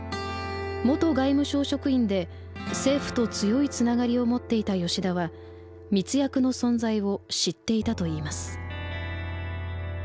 元外務省職員で政府と強いつながりを持っていた吉田は密約の存在を知っていたといいます。